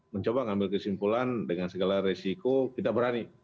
mencoba ngambil kesimpulan dengan segala resiko kita berani